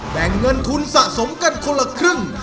แบ่งเงินทุนสะสมกันคนละครึ่ง